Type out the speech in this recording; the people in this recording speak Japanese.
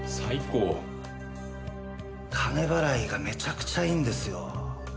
金払いがめちゃくちゃいいんですよ。